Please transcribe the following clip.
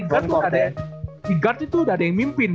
kalo di guard tuh ada yang mimpin